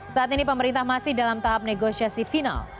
saat ini pemerintah masih dalam tahap negosiasi final